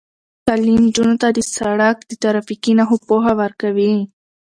تعلیم نجونو ته د سړک د ترافیکي نښو پوهه ورکوي.